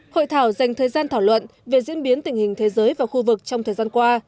hội thảo dành thời gian thảo luận về diễn biến tình hình thế giới và khu vực trong thời gian qua